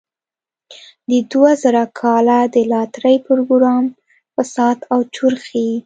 د دوه زره کال د لاټرۍ پروګرام فساد او چور ښيي.